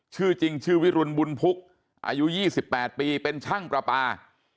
ชื่อจริงชื่อวิรุณบุญพุกอายุ๒๘ปีเป็นช่างประปา